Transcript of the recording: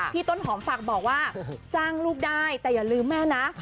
ต้นหอมฝากบอกว่าจ้างลูกได้แต่อย่าลืมแม่นะ